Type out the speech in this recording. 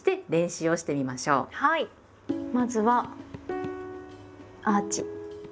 まずはアーチ。